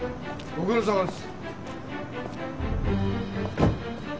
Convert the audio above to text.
ご苦労さまです。